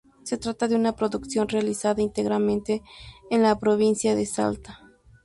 Se trata de una producción realizada íntegramente en la provincia de Salta.